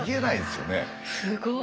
すごい。